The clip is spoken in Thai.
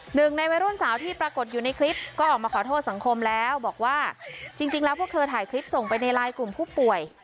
หนึ่งในวัยรุ่นสาวที่ปรากฏอยู่ในคลิปก็ออกมาขอโทษสังคมแล้วบอกว่าจริงแล้วพวกเธอถ่ายคลิปส่งไปในไลน์กลุ่มผู้ป่วย